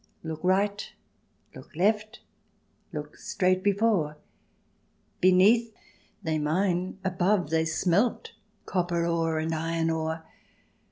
Look right, look left, look straight before, — Beneath they mine, above they smelt Copper ore, and iron ore.